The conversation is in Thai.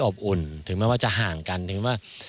อบอุ่นถึงแม้ว่าจะห่างกันถึงว่า